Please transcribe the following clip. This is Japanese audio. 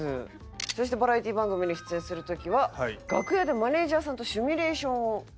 そしてバラエティ番組に出演する時は楽屋でマネジャーさんとシミュレーションを？